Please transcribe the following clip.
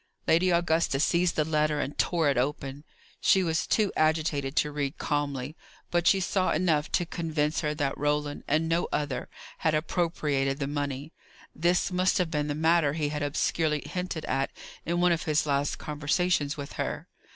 Lady Augusta seized the letter and tore it open. She was too agitated to read calmly, but she saw enough to convince her that Roland, and no other, had appropriated the money. This must have been the matter he had obscurely hinted at in one of his last conversations with her.